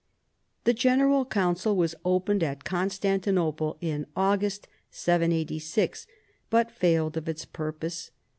The general council was opened at Constanti nople in August, 786, but failed of its purpose.